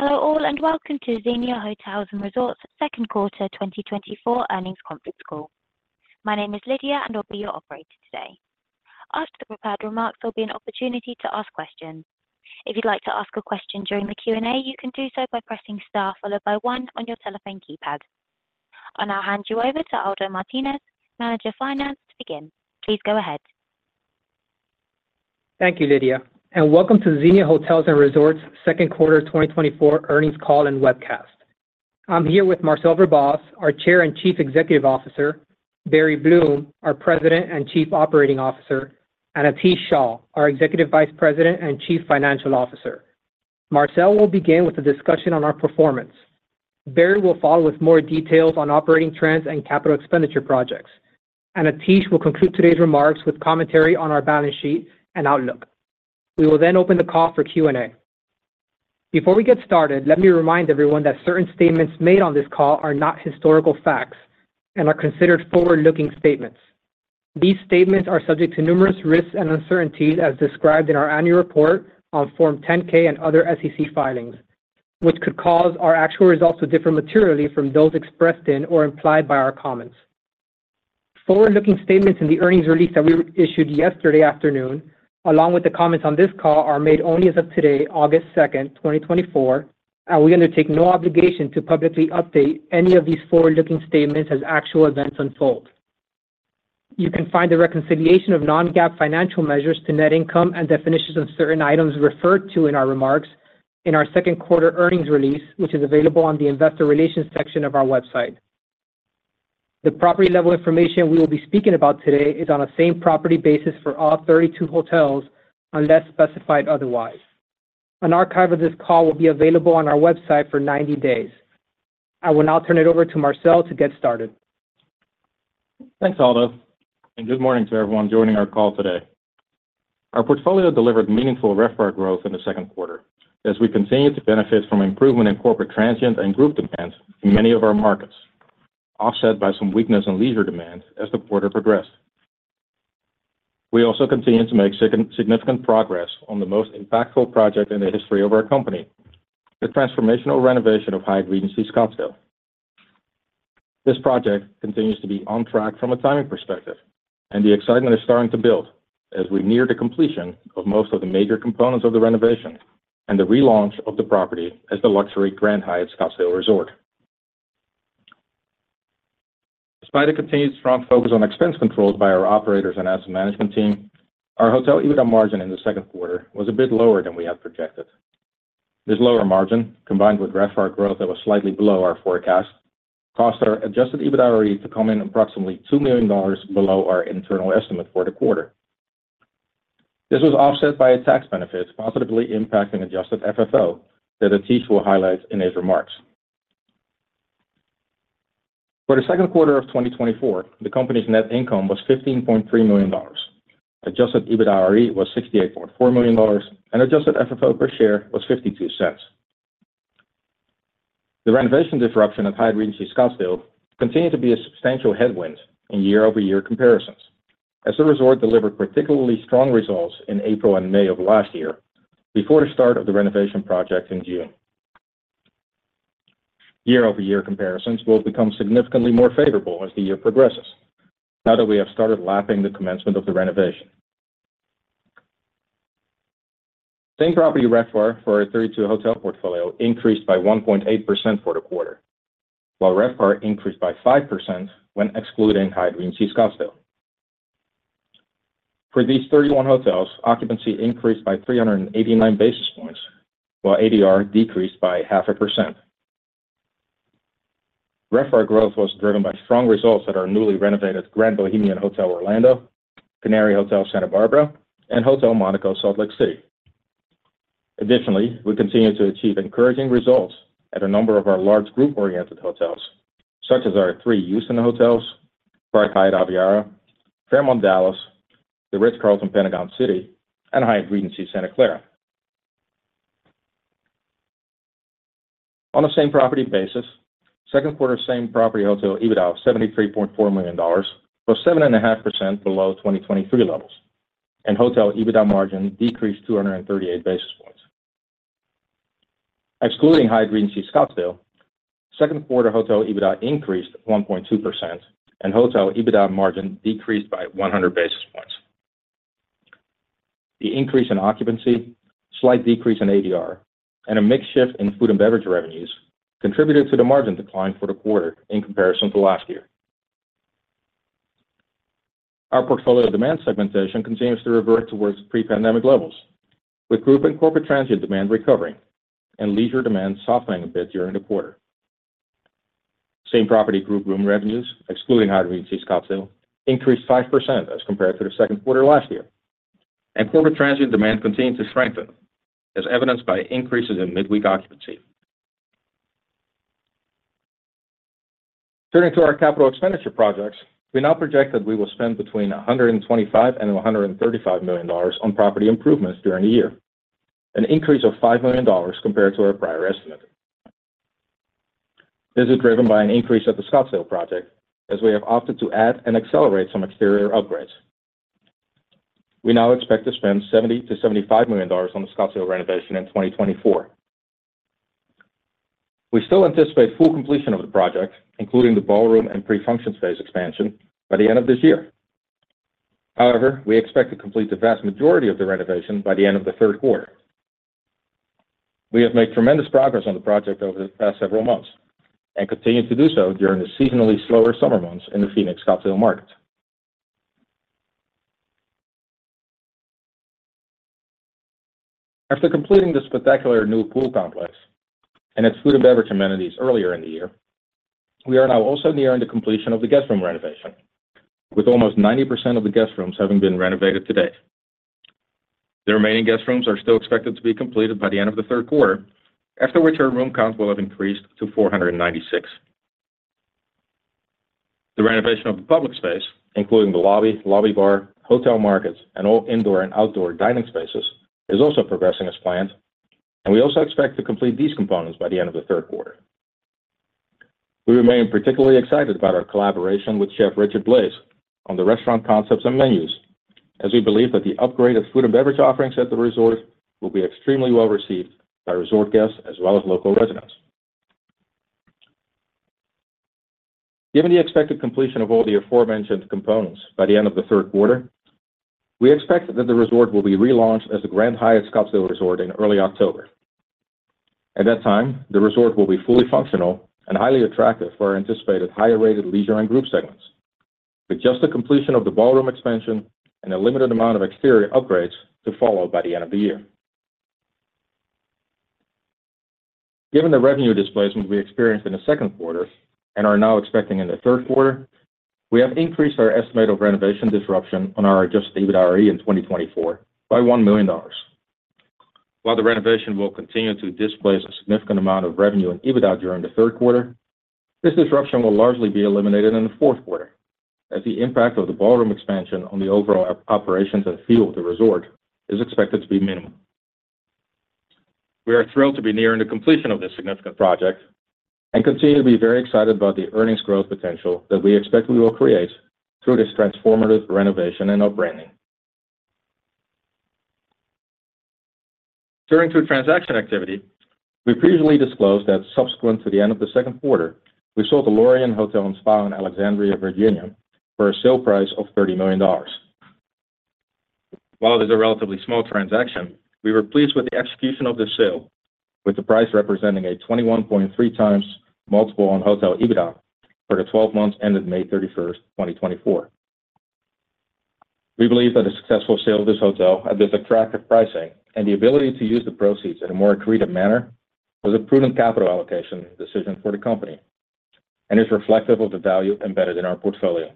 Hello all, and welcome to Xenia Hotels and Resorts Q2 2024 Earnings Conference Call. My name is Lydia, and I'll be your operator today. After the prepared remarks, there'll be an opportunity to ask questions. If you'd like to ask a question during the Q&A, you can do so by pressing Star followed by one on your telephone keypad. I'll now hand you over to Aldo Martinez, Manager Finance, to begin. Please go ahead. Thank you, Lydia, and welcome to Xenia Hotels & Resorts Q2 2024 Earnings Call and webcast. I'm here with Marcel Verbaas, our Chair and Chief Executive Officer, Barry Bloom, our President and Chief Operating Officer, and Atish Shah, our Executive Vice President and Chief Financial Officer. Marcel will begin with a discussion on our performance. Barry will follow with more details on operating trends and capital expenditure projects, and Atish will conclude today's remarks with commentary on our balance sheet and outlook. We will then open the call for Q&A. Before we get started, let me remind everyone that certain statements made on this call are not historical facts and are considered forward-looking statements. These statements are subject to numerous risks and uncertainties, as described in our annual report on Form 10-K and other SEC filings, which could cause our actual results to differ materially from those expressed in or implied by our comments. Forward-looking statements in the earnings release that we issued yesterday afternoon, along with the comments on this call, are made only as of today, 02 August 2024, and we undertake no obligation to publicly update any of these forward-looking statements as actual events unfold. You can find the reconciliation of non-GAAP financial measures to net income and definitions of certain items referred to in our remarks in our Q2 earnings release, which is available on the investor relations section of our website. The property level information we will be speaking about today is on a same property basis for all 32 hotels, unless specified otherwise. An archive of this call will be available on our website for 90 days. I will now turn it over to Marcel to get started. Thanks, Aldo, and good morning to everyone joining our call today. Our portfolio delivered meaningful RevPAR growth in the Q2 as we continued to benefit from improvement in corporate transient and group demand in many of our markets, offset by some weakness in leisure demand as the quarter progressed. We also continued to make significant progress on the most impactful project in the history of our company, the transformational renovation of Hyatt Regency Scottsdale. This project continues to be on track from a timing perspective, and the excitement is starting to build as we near the completion of most of the major components of the renovation and the relaunch of the property as the luxury Grand Hyatt Scottsdale Resort. Despite a continued strong focus on expense controls by our operators and asset management team, our Hotel EBITDA margin in the Q2 was a bit lower than we had projected. This lower margin, combined with RevPAR growth that was slightly below our forecast, caused our Adjusted EBITDAre to come in approximately $2 million below our internal estimate for the quarter. This was offset by a tax benefit, positively impacting adjusted FFO that Atish will highlight in his remarks. For the Q2 of 2024, the company's net income was $15.3 million. Adjusted EBITDA was $68.4 million, and adjusted FFO per share was $0.52. The renovation disruption at Hyatt Regency Scottsdale continued to be a substantial headwind in year-over-year comparisons, as the resort delivered particularly strong results in April and May of last year before the start of the renovation project in June. Year-over-year comparisons will become significantly more favorable as the year progresses now that we have started lapping the commencement of the renovation. Same property RevPAR for our 32 hotel portfolio increased by 1.8% for the quarter, while RevPAR increased by 5% when excluding Hyatt Regency Scottsdale. For these 31 hotels, occupancy increased by 389 basis points, while ADR decreased by 0.5%. RevPAR growth was driven by strong results at our newly renovated Grand Bohemian Hotel, Orlando, Canary Hotel, Santa Barbara, and Hotel Monaco, Salt Lake City. Additionally, we continued to achieve encouraging results at a number of our large group-oriented hotels, such as our three Houston hotels, Park Hyatt Aviara, Fairmont Dallas, The Ritz-Carlton, Pentagon City, and Hyatt Regency Santa Clara. On a same property basis, Q2 same property hotel EBITDA of $73.4 million was 7.5% below 2023 levels, and hotel EBITDA margin decreased 238 basis points. Excluding Hyatt Regency Scottsdale, Q2 hotel EBITDA increased 1.2%, and hotel EBITDA margin decreased by 100 basis points. The increase in occupancy, slight decrease in ADR, and a mix shift in food and beverage revenues contributed to the margin decline for the quarter in comparison to last year. Our portfolio demand segmentation continues to revert towards pre-pandemic levels, with group and corporate transient demand recovering and leisure demand softening a bit during the quarter. Same property group room revenues, excluding Hyatt Regency Scottsdale, increased 5% as compared to the Q2 last year, and corporate transient demand continued to strengthen, as evidenced by increases in midweek occupancy. Turning to our capital expenditure projects, we now project that we will spend between $125 million and $135 million on property improvements during the year, an increase of $5 million compared to our prior estimate. This is driven by an increase at the Scottsdale project, as we have opted to add and accelerate some exterior upgrades. We now expect to spend $70 million to $75 million on the Scottsdale renovation in 2024. We still anticipate full completion of the project, including the ballroom and pre-function space expansion, by the end of this year. However, we expect to complete the vast majority of the renovation by the end of the Q3. We have made tremendous progress on the project over the past several months and continue to do so during the seasonally slower summer months in the Phoenix Scottsdale market. After completing the spectacular new pool complex and its food and beverage amenities earlier in the year, we are now also nearing the completion of the guest room renovation, with almost 90% of the guest rooms having been renovated to date. The remaining guest rooms are still expected to be completed by the end of the Q3, after which our room counts will have increased to 496. The renovation of the public space, including the lobby, lobby bar, hotel markets, and all indoor and outdoor dining spaces, is also progressing as planned, and we also expect to complete these components by the end of the Q3. We remain particularly excited about our collaboration with Chef Richard Blais on the restaurant concepts and menus, as we believe that the upgrade of food and beverage offerings at the resort will be extremely well-received by resort guests as well as local residents. Given the expected completion of all the aforementioned components by the end of the Q3, we expect that the resort will be relaunched as the Grand Hyatt Scottsdale Resort in early October. At that time, the resort will be fully functional and highly attractive for our anticipated higher-rated leisure and group segments, with just the completion of the ballroom expansion and a limited amount of exterior upgrades to follow by the end of the year. Given the revenue displacement we experienced in the Q2 and are now expecting in the Q3, we have increased our estimate of renovation disruption on our Adjusted EBITDAre in 2024 by $1 million. While the renovation will continue to displace a significant amount of revenue and EBITDA during the Q3, this disruption will largely be eliminated in the Q4, as the impact of the ballroom expansion on the overall operations and feel of the resort is expected to be minimal. We are thrilled to be nearing the completion of this significant project and continue to be very excited about the earnings growth potential that we expect we will create through this transformative renovation and rebranding. Turning to transaction activity, we previously disclosed that subsequent to the end of the Q2, we sold the Lorien Hotel & Spa in Alexandria, Virginia, for a sale price of $30 million. While it is a relatively small transaction, we were pleased with the execution of the sale, with the price representing a 21.3x multiple on Hotel EBITDA for the 12 months ended 31 May 2024. We believe that the successful sale of this hotel at this attractive pricing and the ability to use the proceeds in a more accretive manner was a prudent capital allocation decision for the company and is reflective of the value embedded in our portfolio.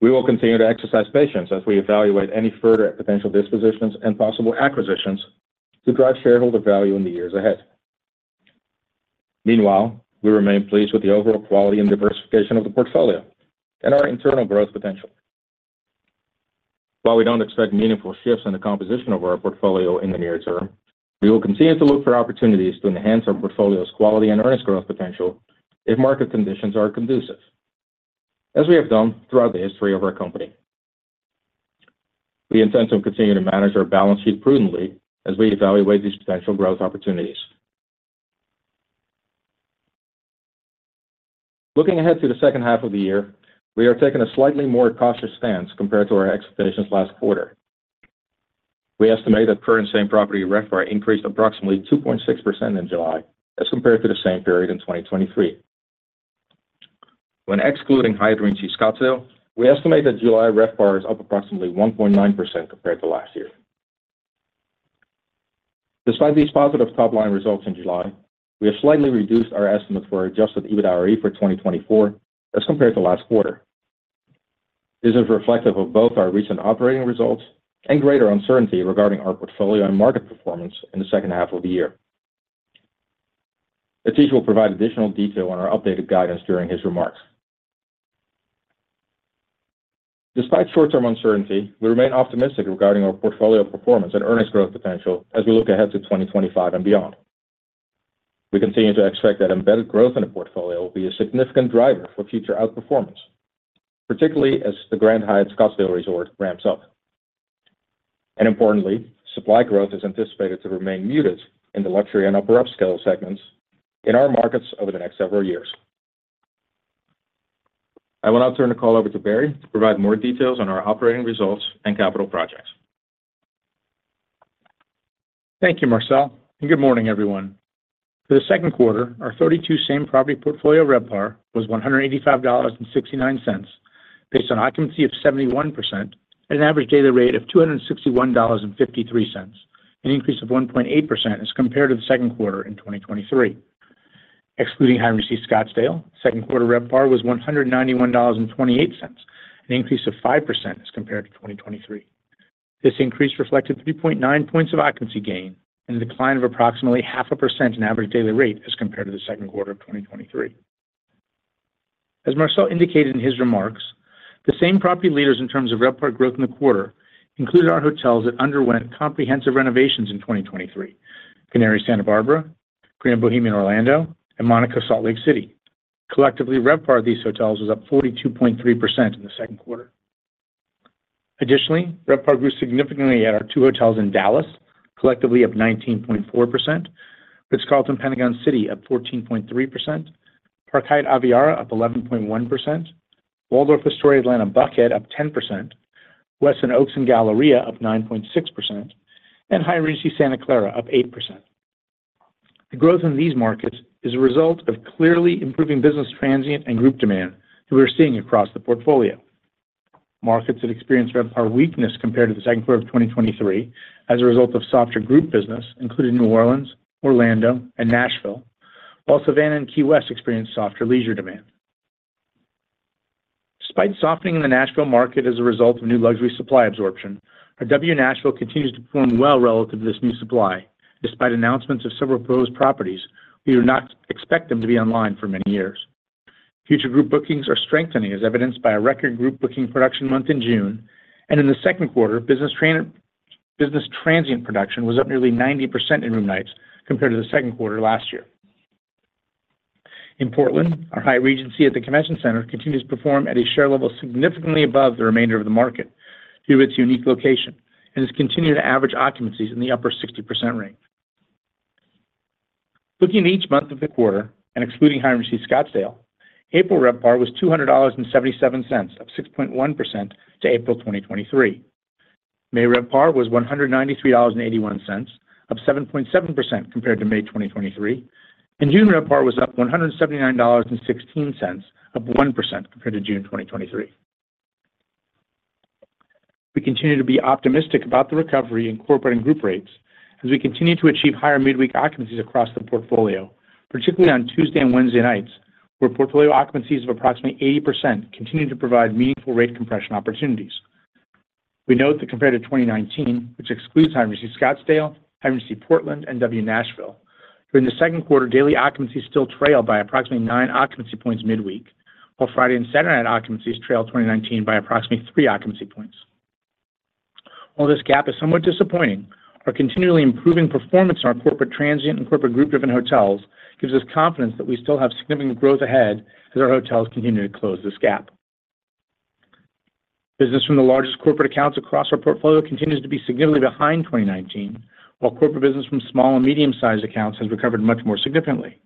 We will continue to exercise patience as we evaluate any further potential dispositions and possible acquisitions to drive shareholder value in the years ahead. Meanwhile, we remain pleased with the overall quality and diversification of the portfolio and our internal growth potential. While we don't expect meaningful shifts in the composition of our portfolio in the near term, we will continue to look for opportunities to enhance our portfolio's quality and earnings growth potential if market conditions are conducive, as we have done throughout the history of our company. We intend to continue to manage our balance sheet prudently as we evaluate these potential growth opportunities. Looking ahead to the H2 of the year, we are taking a slightly more cautious stance compared to our expectations last quarter. We estimate that current same-property RevPAR increased approximately 2.6% in July as compared to the same period in 2023. When excluding Hyatt Regency Scottsdale, we estimate that July RevPAR is up approximately 1.9% compared to last year. Despite these positive top-line results in July, we have slightly reduced our estimate for Adjusted EBITDAre for 2024 as compared to last quarter. This is reflective of both our recent operating results and greater uncertainty regarding our portfolio and market performance in the H2 of the year. Atish will provide additional detail on our updated guidance during his remarks. Despite short-term uncertainty, we remain optimistic regarding our portfolio performance and earnings growth potential as we look ahead to 2025 and beyond. We continue to expect that embedded growth in the portfolio will be a significant driver for future outperformance, particularly as the Grand Hyatt Scottsdale Resort ramps up. Importantly, supply growth is anticipated to remain muted in the luxury and upper upscale segments in our markets over the next several years. I will now turn the call over to Barry to provide more details on our operating results and capital projects. Thank you, Marcel, and good morning, everyone. For the Q2, our 32 same-property portfolio RevPAR was $185.69, based on occupancy of 71% and an average daily rate of $261.53, an increase of 1.8% as compared to the Q2 in 2023. Excluding Hyatt Regency Scottsdale, Q2 RevPAR was $191.28, an increase of 5% as compared to 2023. This increase reflected 3.9 points of occupancy gain and a decline of approximately 0.5% in average daily rate as compared to the Q2 of 2023.... As Marcel indicated in his remarks, the same property leaders in terms of RevPAR growth in the quarter included our hotels that underwent comprehensive renovations in 2023: Canary Santa Barbara, Grand Bohemian Orlando, and Monaco Salt Lake City. Collectively, RevPAR of these hotels was up 42.3% in the Q2. Additionally, RevPAR grew significantly at our two hotels in Dallas, collectively up 19.4%, Ritz-Carlton Pentagon City, up 14.3%, Park Hyatt Aviara, up 11.1%, Waldorf Astoria Atlanta Buckhead, up 10%, Westin Oaks and Galleria, up 9.6%, and Hyatt Regency Santa Clara, up 8%. The growth in these markets is a result of clearly improving business transient and group demand that we are seeing across the portfolio. Markets that experienced RevPAR weakness compared to the Q2 of 2023 as a result of softer group business, including New Orleans, Orlando, and Nashville, while Savannah and Key West experienced softer leisure demand. Despite softening in the Nashville market as a result of new luxury supply absorption, our W Nashville continues to perform well relative to this new supply. Despite announcements of several proposed properties, we do not expect them to be online for many years. Future group bookings are strengthening, as evidenced by a record group booking production month in June, and in the Q2 business transient production was up nearly 90% in room nights compared to the Q2 last year. In Portland, our Hyatt Regency at the Convention Center continues to perform at a share level significantly above the remainder of the market due to its unique location, and has continued to average occupancies in the upper 60% range. Looking at each month of the quarter and excluding Hyatt Regency Scottsdale, April RevPAR was $200.77, up 6.1% to April 2023. May RevPAR was $193.81, up 7.7% compared to May 2023, and June RevPAR was up $179.16, up 1% compared to June 2023. We continue to be optimistic about the recovery in corporate and group rates as we continue to achieve higher midweek occupancies across the portfolio, particularly on Tuesday and Wednesday nights, where portfolio occupancies of approximately 80% continue to provide meaningful rate compression opportunities. We note that compared to 2019, which excludes Hyatt Regency Scottsdale, Hyatt Regency Portland, and W Nashville, during the Q2, daily occupancies still trailed by approximately 9 occupancy points midweek, while Friday and Saturday night occupancies trailed 2019 by approximately 3 occupancy points. While this gap is somewhat disappointing, our continually improving performance in our corporate transient and corporate group-driven hotels gives us confidence that we still have significant growth ahead as our hotels continue to close this gap. Business from the largest corporate accounts across our portfolio continues to be significantly behind 2019, while corporate business from small and medium-sized accounts has recovered much more significantly.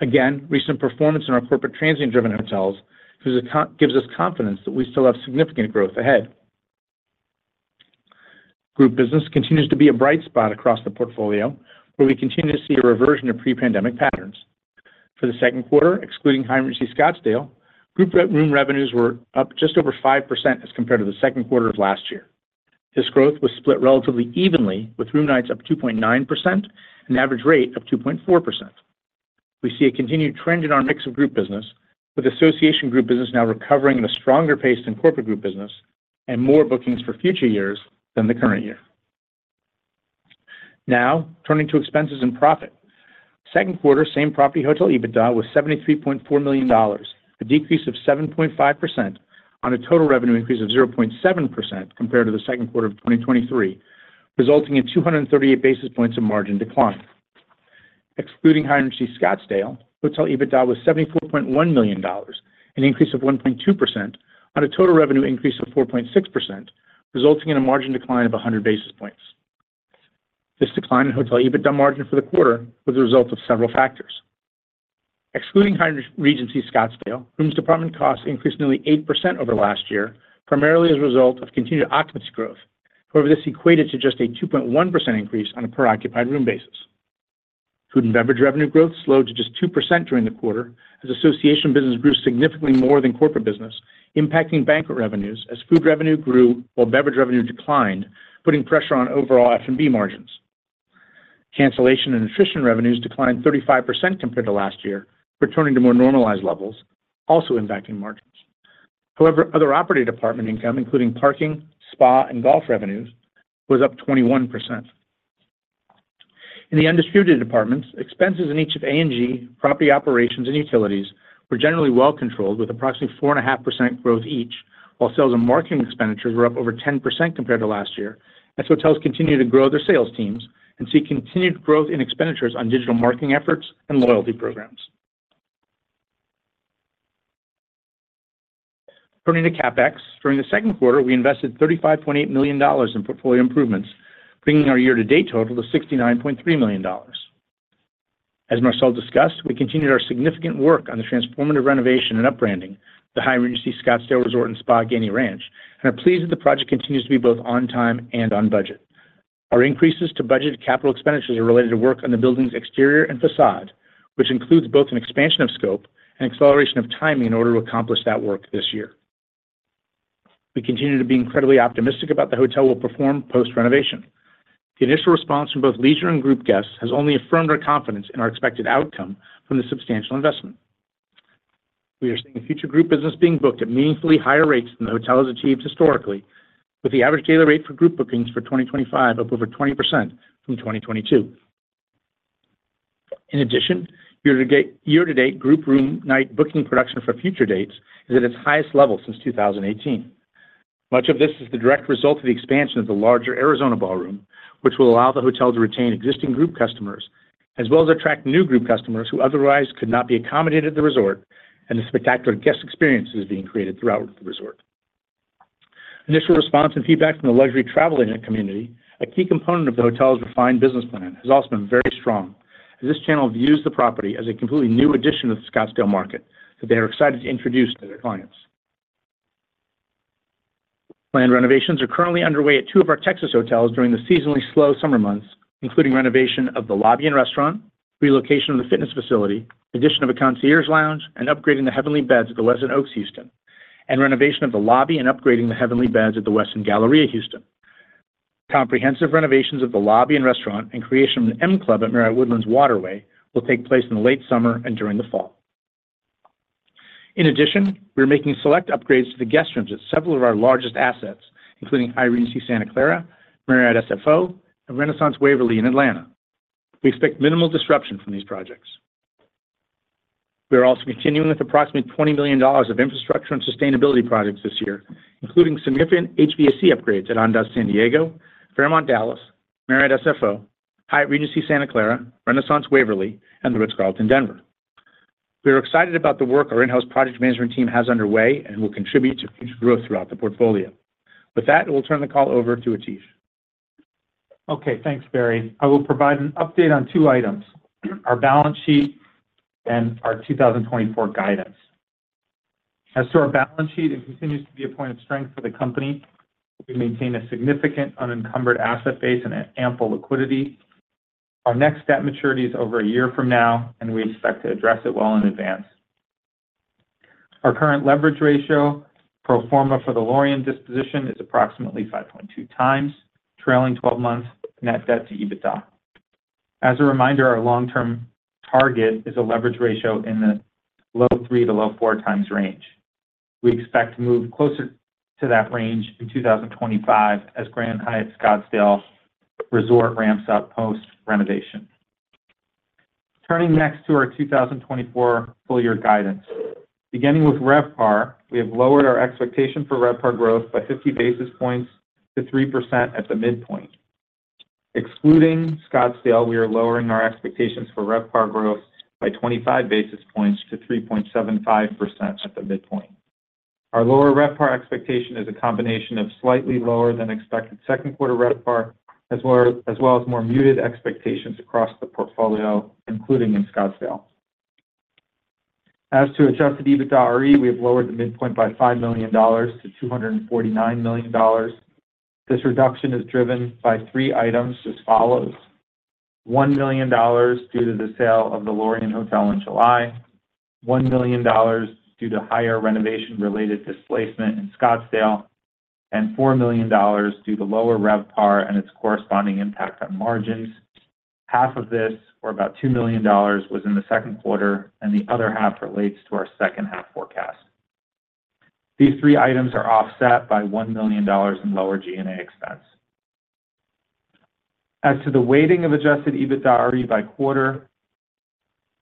Again, recent performance in our corporate transient-driven hotels gives us, gives us confidence that we still have significant growth ahead. Group business continues to be a bright spot across the portfolio, where we continue to see a reversion to pre-pandemic patterns. For the Q2, excluding Hyatt Regency Scottsdale, group room revenues were up just over 5% as compared to the Q2 of last year. This growth was split relatively evenly, with room nights up 2.9% and average rate up 2.4%. We see a continued trend in our mix of group business, with association group business now recovering at a stronger pace than corporate group business and more bookings for future years than the current year. Now, turning to expenses and profit. Q2 same-property hotel EBITDA was $73.4 million, a decrease of 7.5% on a total revenue increase of 0.7% compared to the Q2 of 2023, resulting in 238 basis points of margin decline. Excluding Hyatt Regency Scottsdale, hotel EBITDA was $74.1 million, an increase of 1.2% on a total revenue increase of 4.6%, resulting in a margin decline of 100 basis points. This decline in hotel EBITDA margin for the quarter was a result of several factors. Excluding Hyatt Regency Scottsdale, rooms department costs increased nearly 8% over last year, primarily as a result of continued occupancy growth. However, this equated to just a 2.1% increase on a per occupied room basis. Food and beverage revenue growth slowed to just 2% during the quarter as association business grew significantly more than corporate business, impacting banquet revenues as food revenue grew while beverage revenue declined, putting pressure on overall F&B margins. Cancellation and attrition revenues declined 35% compared to last year, returning to more normalized levels, also impacting margins. However, other operating department income, including parking, spa, and golf revenues, was up 21%. In the undistributed departments, expenses in each of G&A, property operations, and utilities were generally well controlled, with approximately 4.5% growth each, while sales and marketing expenditures were up over 10% compared to last year as hotels continue to grow their sales teams and see continued growth in expenditures on digital marketing efforts and loyalty programs. Turning to CapEx, during the Q2, we invested $35.8 million in portfolio improvements, bringing our year-to-date total to $69.3 million. As Marcel discussed, we continued our significant work on the transformative renovation and upbranding the Hyatt Regency Scottsdale Resort and Spa at Gainey Ranch, and are pleased that the project continues to be both on time and on budget. Our increases to budgeted capital expenditures are related to work on the building's exterior and facade, which includes both an expansion of scope and acceleration of timing in order to accomplish that work this year. We continue to be incredibly optimistic about the hotel will perform post-renovation. The initial response from both leisure and group guests has only affirmed our confidence in our expected outcome from the substantial investment. We are seeing future group business being booked at meaningfully higher rates than the hotel has achieved historically, with the average daily rate for group bookings for 2025 up over 20% from 2022. In addition, year-to-date, year-to-date group room night booking production for future dates is at its highest level since 2018. Much of this is the direct result of the expansion of the larger Arizona Ballroom, which will allow the hotel to retain existing group customers, as well as attract new group customers who otherwise could not be accommodated at the resort, and the spectacular guest experience is being created throughout the resort. Initial response and feedback from the luxury travel internet community, a key component of the hotel's refined business plan, has also been very strong, as this channel views the property as a completely new addition to the Scottsdale market that they are excited to introduce to their clients. Planned renovations are currently underway at two of our Texas hotels during the seasonally slow summer months, including renovation of the lobby and restaurant, relocation of the fitness facility, addition of a concierge lounge, and upgrading the Heavenly Beds at the Westin Oaks, Houston, and renovation of the lobby, and upgrading the Heavenly Beds at the Westin Galleria, Houston. Comprehensive renovations of the lobby and restaurant and creation of an M Club at Marriott Woodlands Waterway will take place in the late summer and during the fall. In addition, we are making select upgrades to the guest rooms at several of our largest assets, including Hyatt Regency Santa Clara, Marriott SFO, and Renaissance Waverly in Atlanta. We expect minimal disruption from these projects. We are also continuing with approximately $20 million of infrastructure and sustainability projects this year, including significant HVAC upgrades at Andaz San Diego, Fairmont Dallas, Marriott SFO, Hyatt Regency Santa Clara, Renaissance Waverly, and The Ritz-Carlton Denver. We are excited about the work our in-house project management team has underway and will contribute to future growth throughout the portfolio. With that, we'll turn the call over to Atish. Okay, thanks, Barry. I will provide an update on two items: our balance sheet and our 2024 guidance. As to our balance sheet, it continues to be a point of strength for the company. We maintain a significant unencumbered asset base and an ample liquidity. Our next debt maturity is over a year from now, and we expect to address it well in advance. Our current leverage ratio, pro forma for the Lorien disposition, is approximately 5.2x, trailing 12 months Net Debt to EBITDA. As a reminder, our long-term target is a leverage ratio in the low 3 to 4x range. We expect to move closer to that range in 2025 as Grand Hyatt Scottsdale Resort ramps up post-renovation. Turning next to our 2024 full year guidance. Beginning with RevPAR, we have lowered our expectation for RevPAR growth by 50 basis points to 3% at the midpoint. Excluding Scottsdale, we are lowering our expectations for RevPAR growth by 25 basis points to 3.75% at the midpoint. Our lower RevPAR expectation is a combination of slightly lower than expected Q2 RevPAR, as well as more muted expectations across the portfolio, including in Scottsdale. As to adjusted EBITDAre, we have lowered the midpoint by $5 to 249 million. This reduction is driven by three items as follows: $1 million due to the sale of the Lorien Hotel in July, $1 million due to higher renovation-related displacement in Scottsdale, and $4 million due to lower RevPAR and its corresponding impact on margins. Half of this, or about $2 million, was in the Q2, and the other half relates to our H2 forecast. These three items are offset by $1 million in lower G&A expense. As to the weighting of Adjusted EBITDAre by quarter,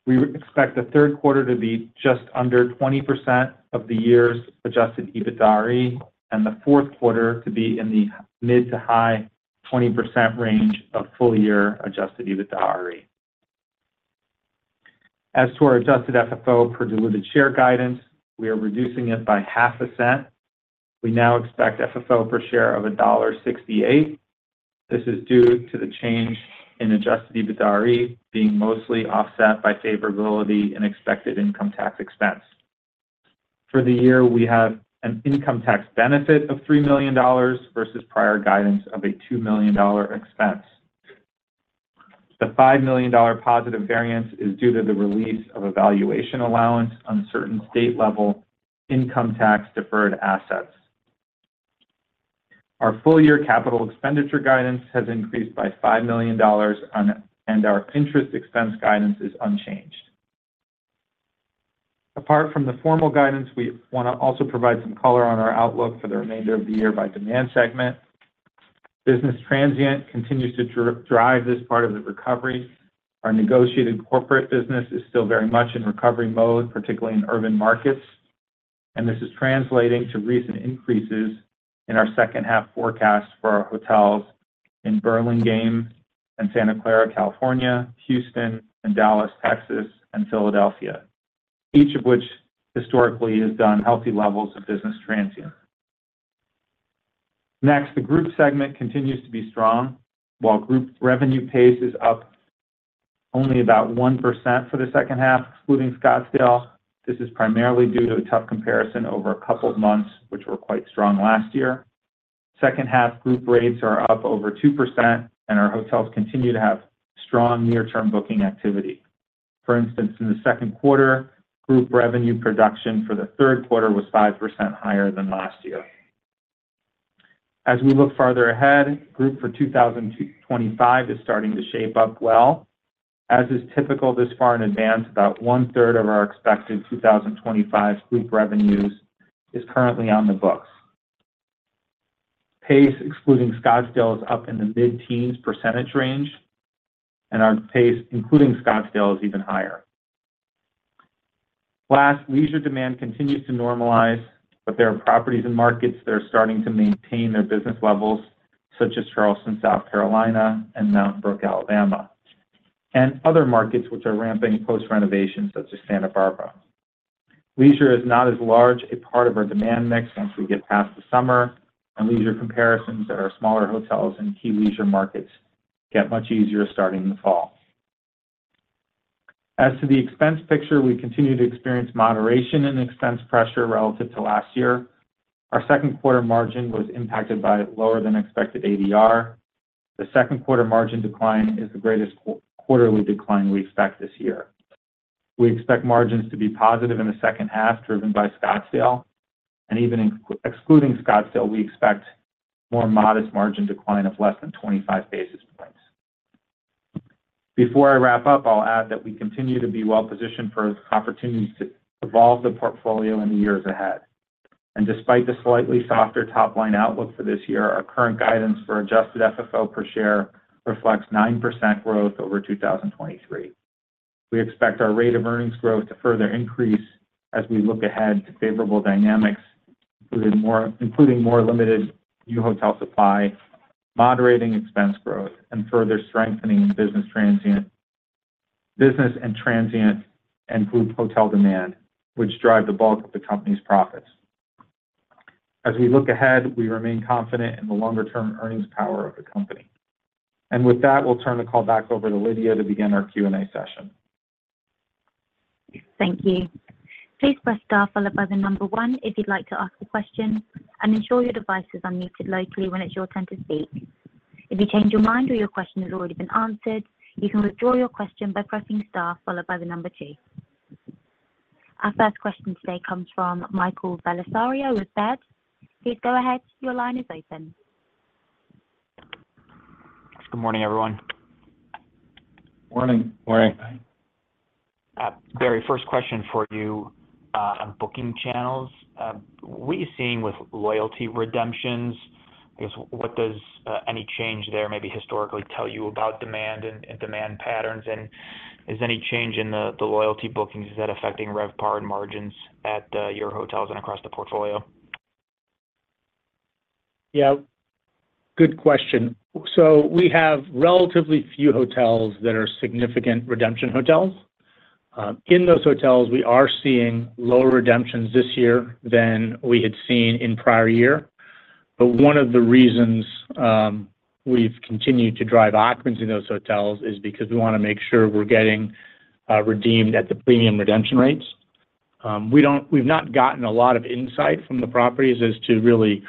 we expect the Q3 to be just under 20% of the year’s Adjusted EBITDAre, and the Q4 to be in the mid- to high-20% range of full-year Adjusted EBITDAre. As to our Adjusted FFO per diluted share guidance, we are reducing it by $0.005. We now expect FFO per share of $1.68. This is due to the change in Adjusted EBITDAre being mostly offset by favorability and expected income tax expense. For the year, we have an income tax benefit of $3 million versus prior guidance of a $2 million expense. The $5 million positive variance is due to the release of a valuation allowance on certain state-level income tax-deferred assets. Our full-year capital expenditure guidance has increased by $5 million on, and our interest expense guidance is unchanged. Apart from the formal guidance, we wanna also provide some color on our outlook for the remainder of the year by demand segment. Business transient continues to drive this part of the recovery. Our negotiated corporate business is still very much in recovery mode, particularly in urban markets, and this is translating to recent increases in our H2 forecast for our hotels in Burlingame and Santa Clara, California, Houston and Dallas, Texas, and Philadelphia, each of which historically has done healthy levels of business transient. Next, the group segment continues to be strong. While group revenue pace is up only about 1% for the H2, excluding Scottsdale, this is primarily due to a tough comparison over a couple of months, which were quite strong last year. H2 group rates are up over 2%, and our hotels continue to have strong near-term booking activity. For instance, in the Q2, group revenue production for the Q3 was 5% higher than last year. As we look farther ahead, group for 2025 is starting to shape up well. As is typical this far in advance, about one-third of our expected 2025 group revenues is currently on the books.... pace excluding Scottsdale is up in the mid-teens % range, and our pace, including Scottsdale, is even higher. Last, leisure demand continues to normalize, but there are properties and markets that are starting to maintain their business levels, such as Charleston, South Carolina, and Mountain Brook, Alabama, and other markets which are ramping post-renovations, such as Santa Barbara. Leisure is not as large a part of our demand mix once we get past the summer, and leisure comparisons at our smaller hotels in key leisure markets get much easier starting in the fall. As to the expense picture, we continue to experience moderation in expense pressure relative to last year. Our Q2 margin was impacted by lower than expected ADR. The Q2 margin decline is the greatest quarterly decline we expect this year. We expect margins to be positive in the H2, driven by Scottsdale. Even excluding Scottsdale, we expect more modest margin decline of less than 25 basis points. Before I wrap up, I'll add that we continue to be well-positioned for opportunities to evolve the portfolio in the years ahead. Despite the slightly softer top-line outlook for this year, our current guidance for adjusted FFO per share reflects 9% growth over 2023. We expect our rate of earnings growth to further increase as we look ahead to favorable dynamics, including more, including more limited new hotel supply, moderating expense growth, and further strengthening business and transient and group hotel demand, which drive the bulk of the company's profits. As we look ahead, we remain confident in the longer-term earnings power of the company. With that, we'll turn the call back over to Lydia to begin our Q&A session. Thank you. Please press star followed by the number one if you'd like to ask a question, and ensure your device is unmuted locally when it's your turn to speak. If you change your mind or your question has already been answered, you can withdraw your question by pressing star followed by the number two. Our first question today comes from Michael Bellisario with Baird. Please go ahead. Your line is open. Good morning, everyone. Morning. Morning. Barry, first question for you, on booking channels. What are you seeing with loyalty redemptions? I guess, what does any change there, maybe historically, tell you about demand and demand patterns? And is any change in the loyalty bookings affecting RevPAR and margins at your hotels and across the portfolio? Yeah, good question. So we have relatively few hotels that are significant redemption hotels. In those hotels, we are seeing lower redemptions this year than we had seen in prior year. But one of the reasons we've continued to drive occupancies in those hotels is because we wanna make sure we're getting redeemed at the premium redemption rates. We've not gotten a lot of insight from the properties as to really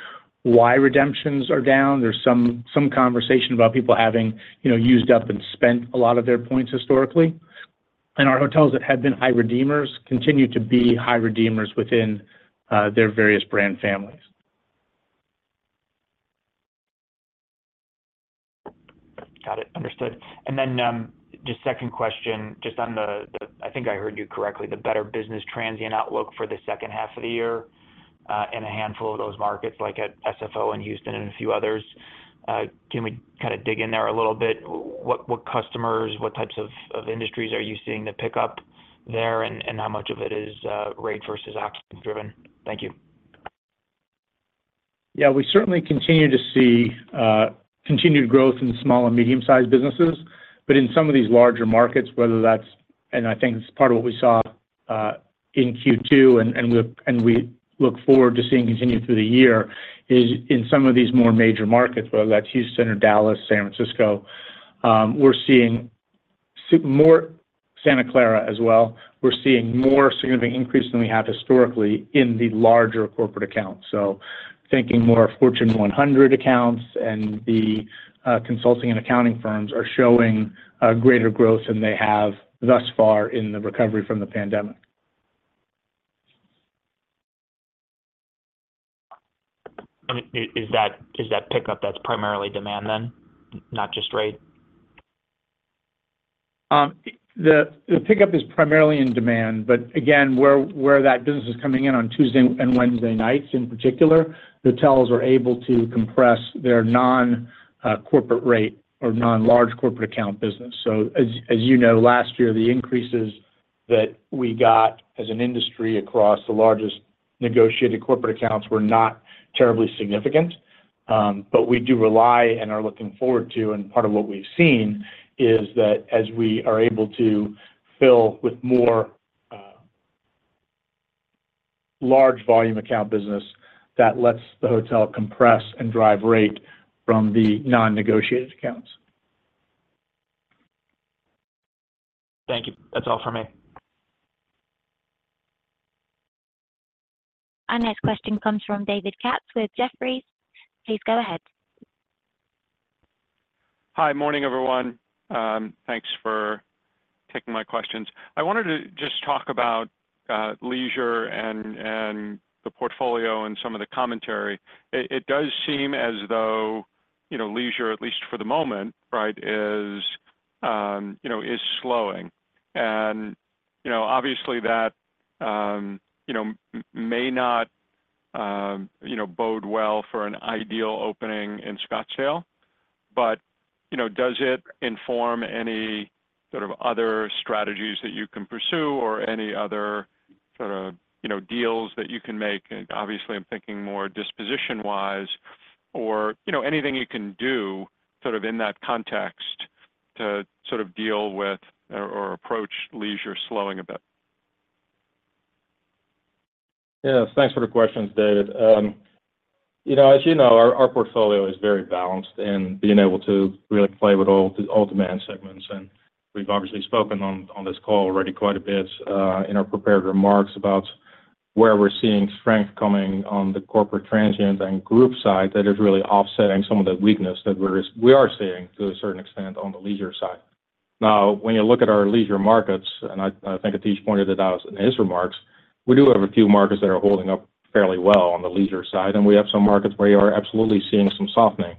why redemptions are down. There's some conversation about people having, you know, used up and spent a lot of their points historically. And our hotels that had been high redeemers continue to be high redeemers within their various brand families. Got it. Understood. And then, just second question, just on the better business transient outlook for the H2 of the year in a handful of those markets, like at SFO and Houston and a few others. Can we kinda dig in there a little bit? What customers, what types of industries are you seeing the pickup there, and how much of it is rate versus option driven? Thank you. Yeah, we certainly continue to see continued growth in small and medium-sized businesses. But in some of these larger markets, whether that's. And I think it's part of what we saw in Q2, and we look forward to seeing continue through the year, is in some of these more major markets, whether that's Houston or Dallas, San Francisco, Santa Clara as well, we're seeing more significant increase than we have historically in the larger corporate accounts. So thinking more Fortune 100 accounts and the consulting and accounting firms are showing a greater growth than they have thus far in the recovery from the pandemic. I mean, is that pickup that's primarily demand then, not just rate? The pickup is primarily in demand, but again, where that business is coming in on Tuesday and Wednesday nights, in particular, hotels are able to compress their non-corporate rate or non-large corporate account business. So as you know, last year, the increases that we got as an industry across the largest negotiated corporate accounts were not terribly significant. But we do rely and are looking forward to, and part of what we've seen, is that as we are able to fill with more large volume account business, that lets the hotel compress and drive rate from the non-negotiated accounts. Thank you. That's all for me. Our next question comes from David Katz with Jefferies. Please go ahead. Hi. Morning, everyone. Thanks for taking my questions. I wanted to just talk about leisure and the portfolio and some of the commentary. It does seem as though you know, leisure, at least for the moment, right, is you know, is slowing. And, you know, obviously, that may not you know, bode well for an ideal opening in Scottsdale, but, you know, does it inform any sort of other strategies that you can pursue or any other sort of, you know, deals that you can make? Obviously, I'm thinking more disposition wise or, you know, anything you can do sort of in that context to sort of deal with or approach leisure slowing a bit. Yes, thanks for the questions, David. You know, as you know, our portfolio is very balanced in being able to really play with all demand segments, and we've obviously spoken on this call already quite a bit in our prepared remarks about where we're seeing strength coming on the corporate transient and group side that is really offsetting some of the weakness that we're seeing to a certain extent on the leisure side. Now, when you look at our leisure markets, and I think Atish pointed it out in his remarks, we do have a few markets that are holding up fairly well on the leisure side, and we have some markets where you are absolutely seeing some softening.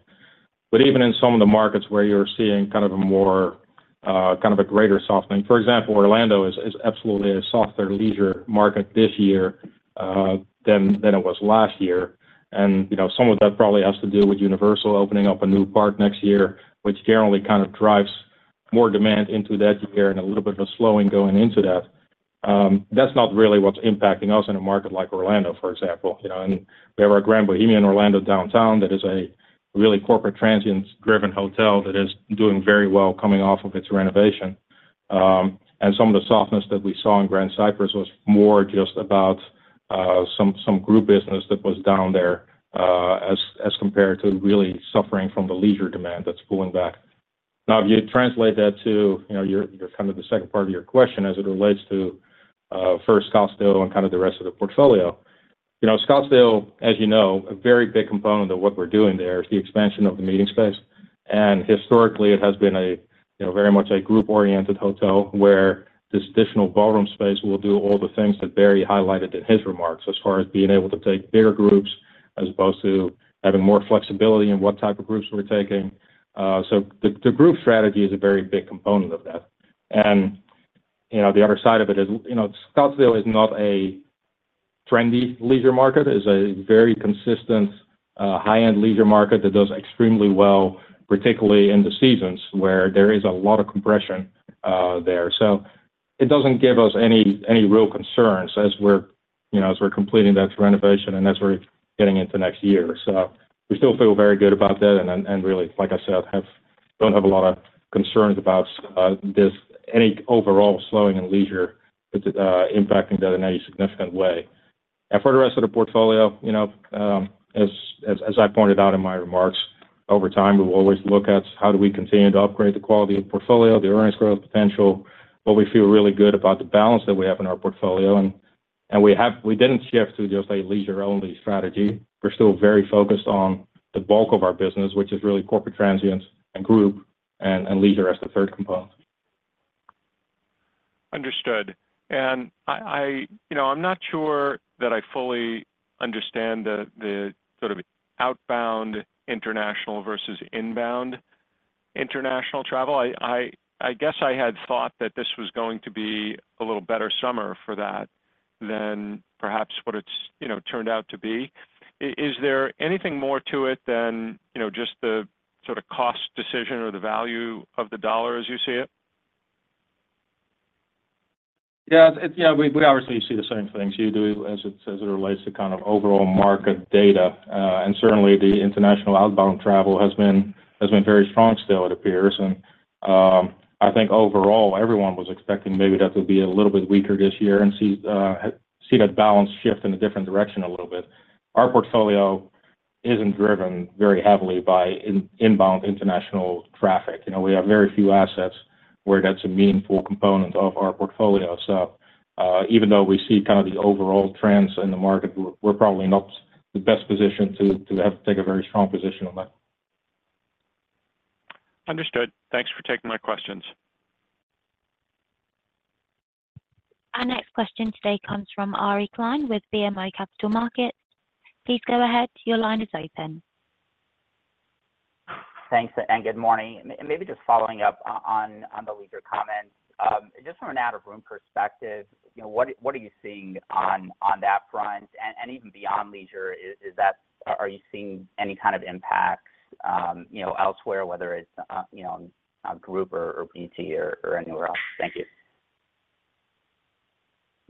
But even in some of the markets where you're seeing kind of a more, kind of a greater softening, for example, Orlando is absolutely a softer leisure market this year than it was last year. And, you know, some of that probably has to do with Universal opening up a new park next year, which generally kind of drives more demand into that year and a little bit of a slowing going into that. That's not really what's impacting us in a market like Orlando, for example. You know, and we have our Grand Bohemian Orlando Downtown, that is a really corporate transient-driven hotel that is doing very well coming off of its renovation. And some of the softness that we saw in Grand Cypress was more just about some group business that was down there, as compared to really suffering from the leisure demand that's pulling back. Now, if you translate that to, you know, kind of the second part of your question as it relates to, for Scottsdale and kind of the rest of the portfolio. You know, Scottsdale, as you know, a very big component of what we're doing there is the expansion of the meeting space. And historically it has been a, you know, very much a group-oriented hotel where this additional ballroom space will do all the things that Barry highlighted in his remarks as far as being able to take bigger groups, as opposed to having more flexibility in what type of groups we're taking. So the group strategy is a very big component of that. And, you know, the other side of it is, you know, Scottsdale is not a trendy leisure market, is a very consistent, high-end leisure market that does extremely well, particularly in the seasons where there is a lot of compression there. So it doesn't give us any real concerns as we're, you know, as we're completing that renovation and as we're getting into next year. So we still feel very good about that, and then—and really, like I said, don't have a lot of concerns about this, any overall slowing in leisure impacting that in any significant way. For the rest of the portfolio, you know, as I pointed out in my remarks, over time, we will always look at how do we continue to upgrade the quality of portfolio, the earnings growth potential, but we feel really good about the balance that we have in our portfolio. We didn't shift to just a leisure-only strategy. We're still very focused on the bulk of our business, which is really corporate transients and group, and leisure as the third component. Understood. You know, I'm not sure that I fully understand the sort of outbound international versus inbound international travel. I guess I had thought that this was going to be a little better summer for that than perhaps what it's, you know, turned out to be. Is there anything more to it than just the sort of cost decision or the value of the dollar as you see it? Yeah, yeah, we obviously see the same things you do as it relates to kind of overall market data. And certainly, the international outbound travel has been very strong still, it appears. And I think overall, everyone was expecting maybe that would be a little bit weaker this year and see that balance shift in a different direction a little bit. Our portfolio isn't driven very heavily by inbound international traffic. You know, we have very few assets where that's a meaningful component of our portfolio. So even though we see kind of the overall trends in the market, we're probably not the best position to have to take a very strong position on that. Understood. Thanks for taking my questions. Our next question today comes from Ari Klein with BMO Capital Markets. Please go ahead. Your line is open. Thanks, and good morning. Maybe just following up on the leisure comments. Just from an out-of-room perspective, you know, what are you seeing on that front? And even beyond leisure, are you seeing any kind of impacts, you know, elsewhere, whether it's, you know, on group or BT or anywhere else? Thank you.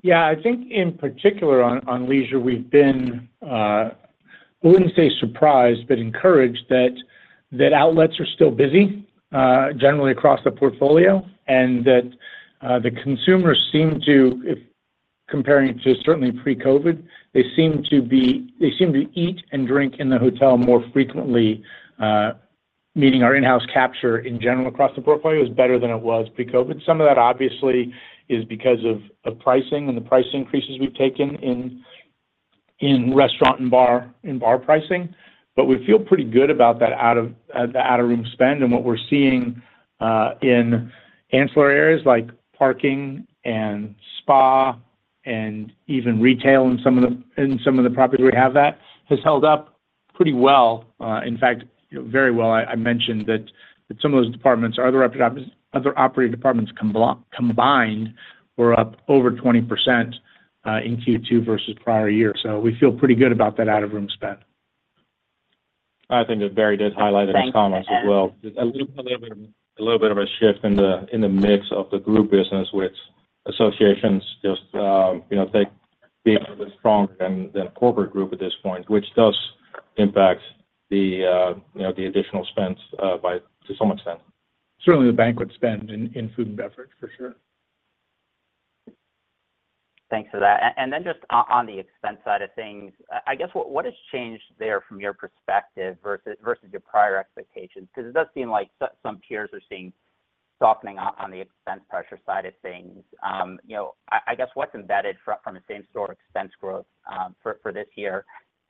Yeah, I think in particular on leisure, we've been, I wouldn't say surprised, but encouraged that outlets are still busy generally across the portfolio, and that the consumers seem to, if comparing to certainly pre-COVID, they seem to eat and drink in the hotel more frequently, meaning our in-house capture in general across the portfolio is better than it was pre-COVID. Some of that obviously is because of pricing and the price increases we've taken in restaurant and bar pricing, but we feel pretty good about that out of the out-of-room spend and what we're seeing in ancillary areas like parking and spa... and even retail in some of the properties we have that has held up pretty well, in fact, you know, very well. I mentioned that some of those departments, other operating departments combined were up over 20% in Q2 versus prior year. So we feel pretty good about that out-of-room spend. I think that Barry did highlight in his comments as well. Thanks, uh- Just a little bit of a shift in the mix of the group business, which associations just, you know, tend to be a bit stronger than corporate group at this point, which does impact the, you know, the additional spends by to some extent. Certainly, the banquet spend in food and beverage, for sure. Thanks for that. And then just on the expense side of things, I guess, what has changed there from your perspective versus your prior expectations? Because it does seem like some peers are seeing softening on the expense pressure side of things. You know, I guess, what's embedded from a same-store expense growth for this year?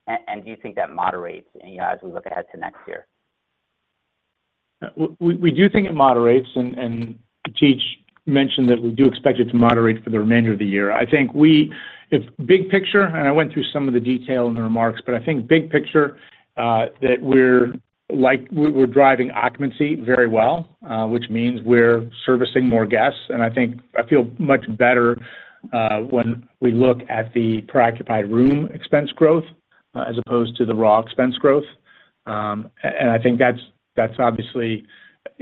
And do you think that moderates, you know, as we look ahead to next year? We do think it moderates, and Cheech mentioned that we do expect it to moderate for the remainder of the year. I think if big picture, and I went through some of the detail in the remarks, but I think big picture, that we're driving occupancy very well, which means we're servicing more guests. And I think I feel much better when we look at the per occupied room expense growth as opposed to the raw expense growth. And I think that's obviously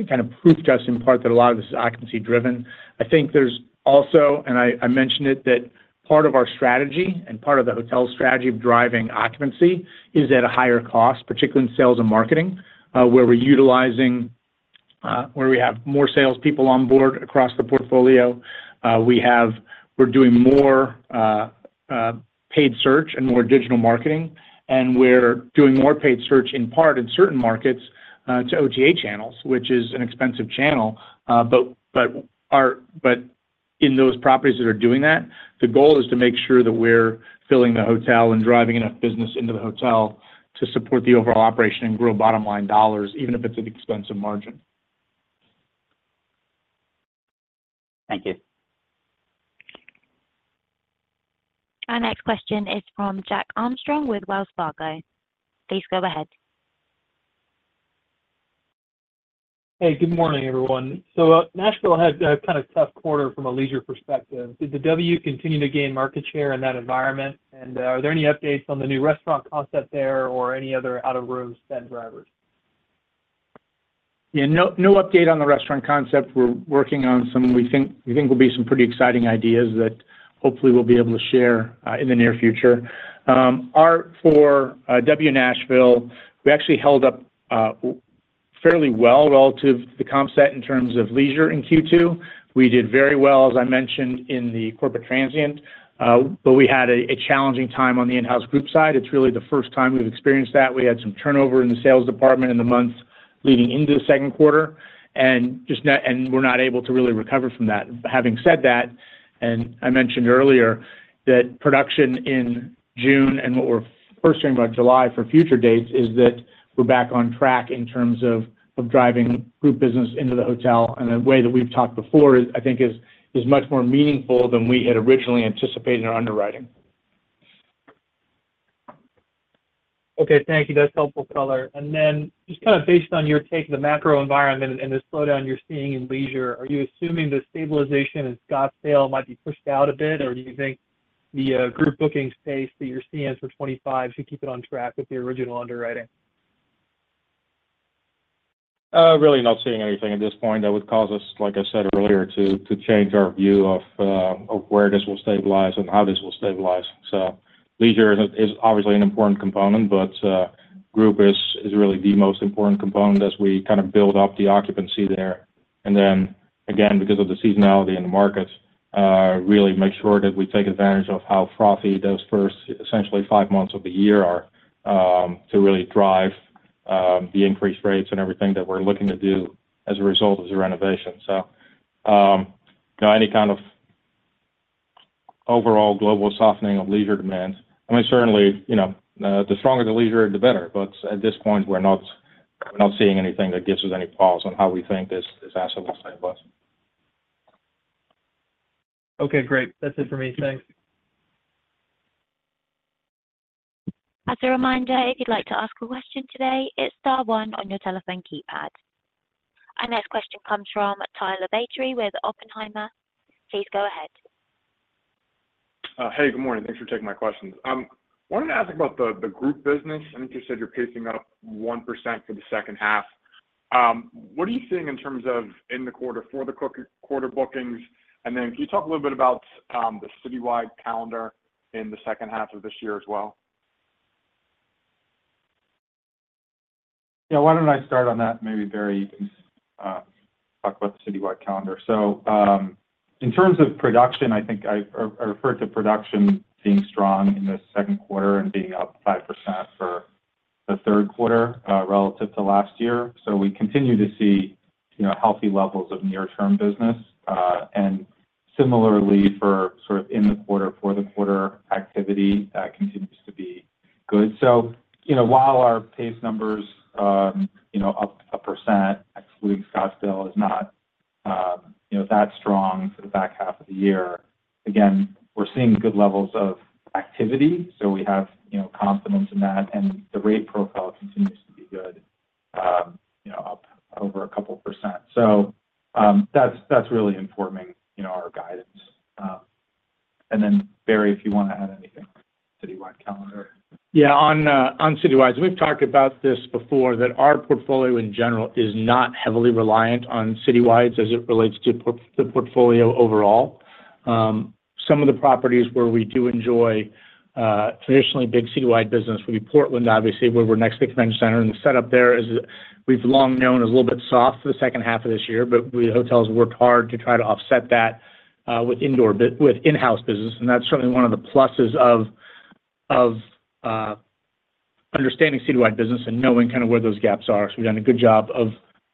kind of proof to us in part that a lot of this is occupancy driven. I think there's also, and I mentioned it, that part of our strategy and part of the hotel strategy of driving occupancy is at a higher cost, particularly in sales and marketing, where we have more sales people on board across the portfolio. We're doing more paid search and more digital marketing, and we're doing more paid search in part in certain markets to OTA channels, which is an expensive channel, but our... But in those properties that are doing that, the goal is to make sure that we're filling the hotel and driving enough business into the hotel to support the overall operation and grow bottom-line dollars, even if it's an expensive margin. Thank you. Our next question is from Jack Armstrong with Wells Fargo. Please go ahead. Hey, good morning, everyone. Nashville had a kind of tough quarter from a leisure perspective. Did the W continue to gain market share in that environment? Are there any updates on the new restaurant concept there or any other out-of-room spend drivers? Yeah, no, no update on the restaurant concept. We're working on some, we think, we think will be some pretty exciting ideas that hopefully we'll be able to share in the near future. For W Nashville, we actually held up fairly well relative to the comp set in terms of leisure in Q2. We did very well, as I mentioned, in the corporate transient, but we had a challenging time on the in-house group side. It's really the first time we've experienced that. We had some turnover in the sales department in the months leading into the Q2, and just and we're not able to really recover from that. Having said that, and I mentioned earlier, that production in June and what we're forecasting about July for future dates, is that we're back on track in terms of driving group business into the hotel. And the way that we've talked before is, I think, much more meaningful than we had originally anticipated in our underwriting. Okay, thank you. That's helpful color. And then just kind of based on your take on the macro environment and the slowdown you're seeing in leisure, are you assuming the stabilization in Scottsdale might be pushed out a bit, or do you think the group booking pace that you're seeing for 2025 should keep it on track with the original underwriting? Really not seeing anything at this point that would cause us, like I said earlier, to change our view of where this will stabilize and how this will stabilize. So leisure is obviously an important component, but group is really the most important component as we kind of build up the occupancy there. And then, again, because of the seasonality in the markets, really make sure that we take advantage of how frothy those first essentially five months of the year are, to really drive the increased rates and everything that we're looking to do as a result of the renovation. So, any kind of overall global softening of leisure demand, I mean, certainly, you know, the stronger the leisure, the better, but at this point, we're not, we're not seeing anything that gives us any pause on how we think this, this asset will stabilize. Okay, great. That's it for me. Thanks. As a reminder, if you'd like to ask a question today, it's star one on your telephone keypad. Our next question comes from Tyler Batory with Oppenheimer. Please go ahead. Hey, good morning. Thanks for taking my questions. Wanted to ask about the group business. I think you said you're pacing that up 1% for the H2. What are you seeing in terms of the quarter for the quarter bookings? And then can you talk a little bit about the citywide calendar in theH2 of this year as well? Yeah, why don't I start on that? Maybe Barry can talk about the citywide calendar. So, in terms of production, I referred to production being strong in the Q2 and being up 5% for the Q3, relative to last year. So we continue to see, you know, healthy levels of near-term business. And similarly, for the quarter activity, that continues to be good. So, you know, while our pace numbers, you know, up 1%, excluding Scottsdale, is not, you know, that strong for the back half of the year, again, we're seeing good levels of activity, so we have, you know, confidence in that, and the rate profile continues to be good, you know, up over 2%. So, that's really informing, you know, our guidance. And then, Barry, if you wanna add anything, citywide calendar? Yeah, on city wides, we've talked about this before, that our portfolio, in general, is not heavily reliant on citywides as it relates to the portfolio overall. Some of the properties where we do enjoy traditionally big citywide business would be Portland, obviously, where we're next to the convention center, and the setup there is, we've long known, is a little bit soft for the H2 of this year. But the hotels worked hard to try to offset that with in-house business, and that's certainly one of the pluses of understanding citywide business and knowing kind of where those gaps are. So we've done a good job of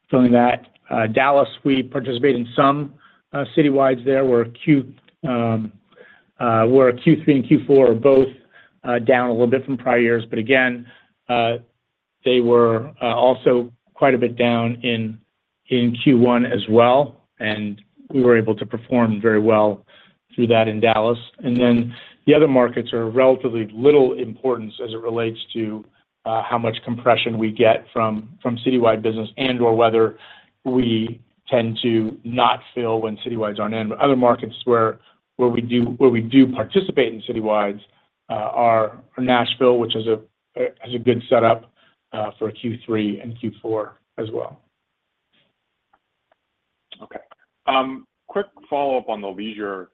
filling that. Dallas, we participate in some citywides there, where Q3 and Q4 are both down a little bit from prior years. Again, they were also quite a bit down in Q1 as well, and we were able to perform very well through that in Dallas. Then, the other markets are of relatively little importance as it relates to how much compression we get from citywide business and/or whether we tend to not fill when citywides aren't in. Other markets where we do participate in citywides are Nashville, which has a good setup for Q3 and Q4 as well. Okay. Quick follow-up on the leisure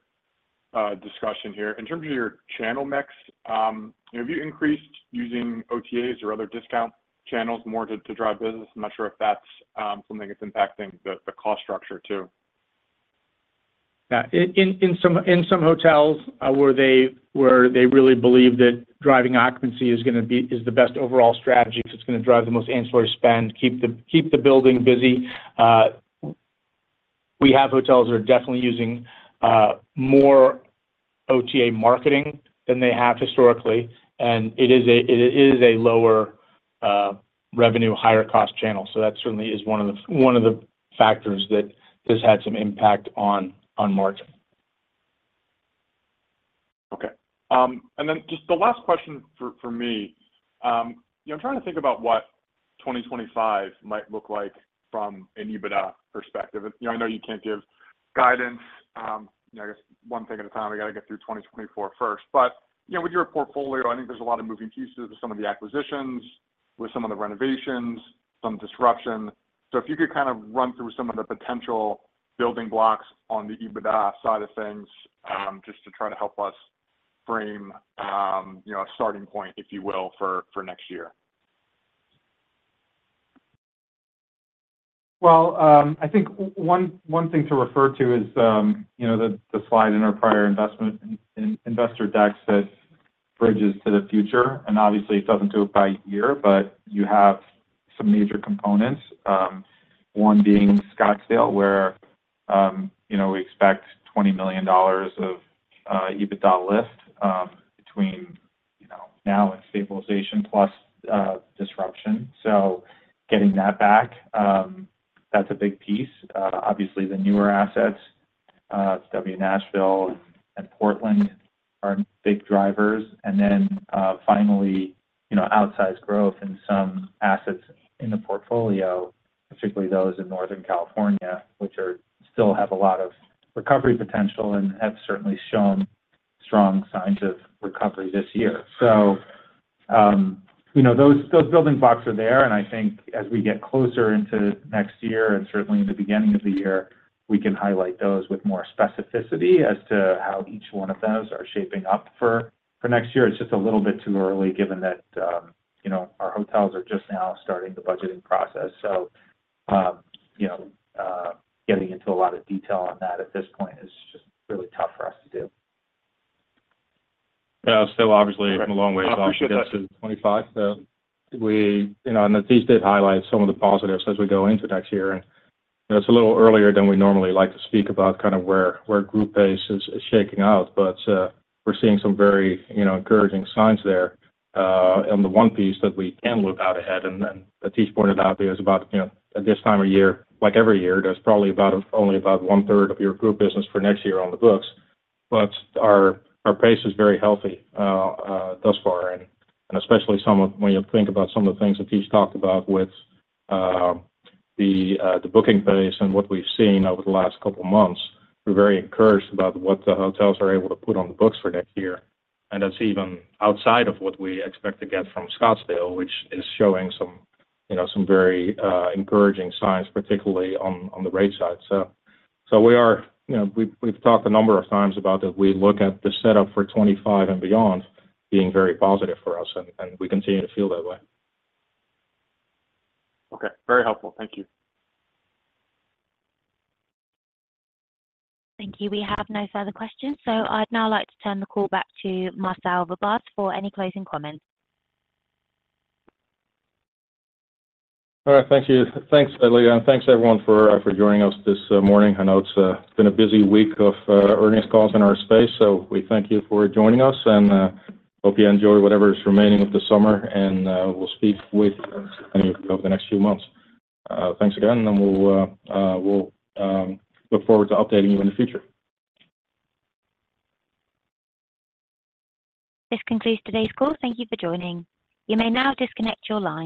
discussion here. In terms of your channel mix, have you increased using OTAs or other discount channels more to drive business? I'm not sure if that's something that's impacting the cost structure, too. Yeah. In some hotels where they really believe that driving occupancy is gonna be is the best overall strategy, so it's gonna drive the most ancillary spend, keep the building busy, we have hotels that are definitely using more OTA marketing than they have historically, and it is a lower revenue, higher-cost channel. So that certainly is one of the factors that has had some impact on margin. Okay. And then just the last question for me. You know, I'm trying to think about what 2025 might look like from an EBITDA perspective. You know, I know you can't give guidance. You know, I guess one thing at a time, we gotta get through 2024 first. But, you know, with your portfolio, I think there's a lot of moving pieces with some of the acquisitions, with some of the renovations, some disruption. So if you could kind of run through some of the potential building blocks on the EBITDA side of things, just to try to help us frame, you know, a starting point, if you will, for next year? Well, I think one thing to refer to is, you know, the slide in our prior investor deck says Bridges to the Future, and obviously it doesn't do it by year, but you have some major components. One being Scottsdale, where, you know, we expect $20 million of EBITDA lift between, you know, now and stabilization, plus disruption. So getting that back, that's a big piece. Obviously, the newer assets, W Nashville and Portland are big drivers. And then, finally, you know, outsized growth in some assets in the portfolio, particularly those in Northern California, which are still have a lot of recovery potential and have certainly shown strong signs of recovery this year. So, you know, those building blocks are there, and I think as we get closer into next year, and certainly in the beginning of the year, we can highlight those with more specificity as to how each one of those are shaping up for next year. It's just a little bit too early, given that, you know, our hotels are just now starting the budgeting process. So, you know, getting into a lot of detail on that at this point is just really tough for us to do. Yeah. Still, obviously, a long way to go to get to 2025. So we... You know, and Latisse did highlight some of the positives as we go into next year, and, you know, it's a little earlier than we normally like to speak about kind of where group pace is shaking out. But, we're seeing some very, you know, encouraging signs there. And the one piece that we can look out ahead, and then Latisse pointed out, there's about, you know, at this time of year, like every year, there's probably about, only about one third of your group business for next year on the books. But our pace is very healthy thus far, and especially some of—when you think about some of the things Atish talked about with the booking pace and what we've seen over the last couple of months, we're very encouraged about what the hotels are able to put on the books for next year. And that's even outside of what we expect to get from Scottsdale, which is showing some, you know, some very encouraging signs, particularly on the rate side. So we are, you know, we've talked a number of times about as we look at the setup for 2025 and beyond being very positive for us, and we continue to feel that way. Okay, very helpful. Thank you. Thank you. We have no further questions, so I'd now like to turn the call back to Marcel Verbaas for any closing comments. All right. Thank you. Thanks, Leah, and thanks, everyone, for joining us this morning. I know it's been a busy week of earnings calls in our space, so we thank you for joining us and hope you enjoy whatever is remaining of the summer, and we'll speak with any of you over the next few months. Thanks again, and we'll look forward to updating you in the future. This concludes today's call. Thank you for joining. You may now disconnect your line.